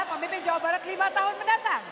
pemimpin jawa barat lima tahun mendatang